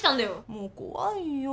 もう怖いよ。